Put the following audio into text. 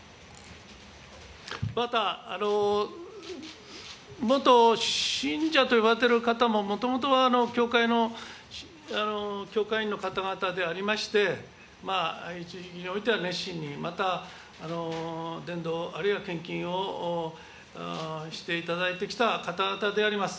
また、元信者といわれている方ももともとは教会の、教会員の方々でありまして、一時的においては熱心に、また伝道、あるいは献金をしていただいてきた方々であります。